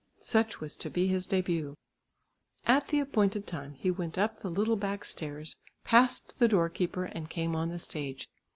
Such was to be his début! At the appointed time he went up the little back stairs, passed the door keeper and came on the stage.